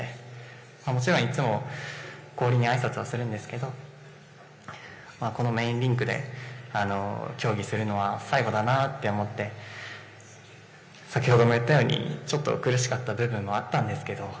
もちろんいつも氷にあいさつをするんですけどこのメインリンクで競技するのは最後だなと思って先ほども言ったようにちょっと苦しかった部分もあったんですけど